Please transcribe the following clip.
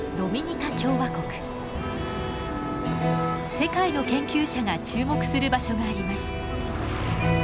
世界の研究者が注目する場所があります。